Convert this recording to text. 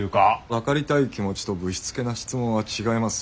分かりたい気持ちとぶしつけな質問は違います。